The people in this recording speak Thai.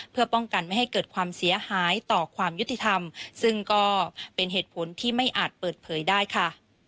เพื่อป้องกันไม่ให้เกิดความเสียหายต่อความยุติธรรมซึ่งก็เป็นเหตุผลที่ไม่อาจเปิดเผยได้ค่ะ